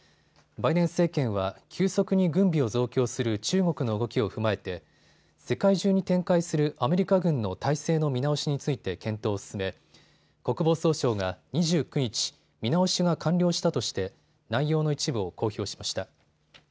バイデン政権は急速に軍備を増強する中国の動きを踏まえて世界中に展開するアメリカ軍の態勢の見直しについて検討を進め国防総省が２９日、見直しが完了したとして内容の一部を公表しました。